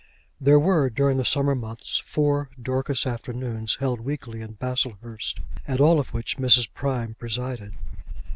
There were during the summer months four Dorcas afternoons held weekly in Baslehurst, at all of which Mrs. Prime presided.